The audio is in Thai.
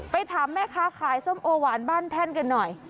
ถามแม่ค้าขายส้มโอหวานบ้านแท่นกันหน่อย